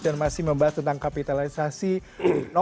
dan masih membahas tentang kapitalisasi nomor nomor